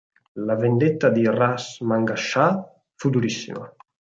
La vendetta di ras Mangascià fu durissima.